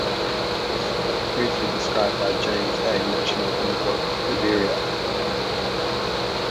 In literature, Burriana is briefly described by James A. Michener in the book, "Iberia".